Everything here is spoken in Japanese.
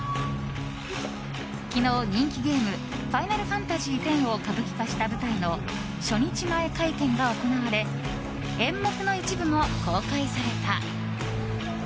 昨日、人気ゲーム「ファイナルファンタジーＸ」を歌舞伎化した舞台の初日前会見が行われ演目の一部も公開された。